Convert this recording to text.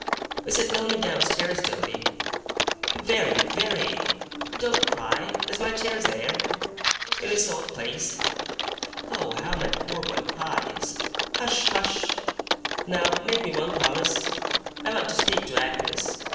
Is it lonely, down stairs, Doady?' 'Very! Very!' 'Don't cry! Is my chair there?' 'In its old place.' 'Oh, how my poor boy cries! Hush, hush! Now, make me one promise. I want to speak to Agnes.